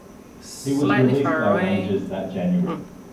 He was released by Rangers that January.